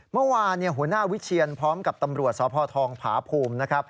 เมื่อวานี่หัวหน้าวิชเชียนพร้อมกับตำรวจศพทองภาพภูมิ